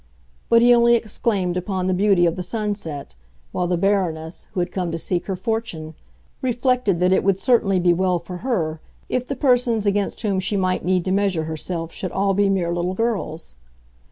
But he only exclaimed upon the beauty of the sunset, while the Baroness, who had come to seek her fortune, reflected that it would certainly be well for her if the persons against whom she might need to measure herself should all be mere little girls.